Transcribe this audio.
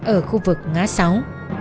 ở khu vực ngã sáu